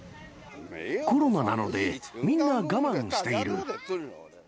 コロナなので、みんな、我慢している。